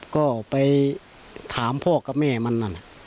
ก็ไปถามพ่อกับแม่มันนั่น